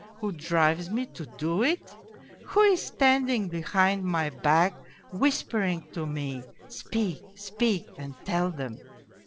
Who drives me to do it ? Who is standing behind my back whispering to me, ' Speak, speak and tell them